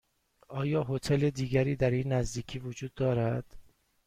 آیا هتل دیگری در این نزدیکی وجود دارد؟